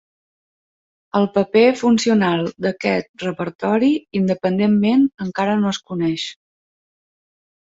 El paper funcional d'aquest repertori independentment encara no es coneix.